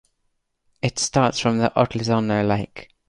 It starts from the Otlizino lake.